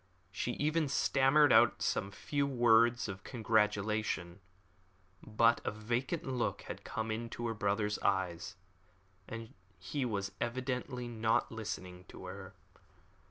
She even stammered out some few words of congratulation, but a vacant look had come into her brother's eyes, and he was evidently not listening to her.